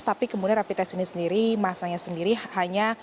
tapi kemudian rapi tes ini sendiri masanya sendiri hanya